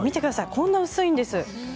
こんなに薄いんです。